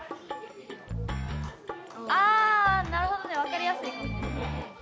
あなるほどね分かりやすい。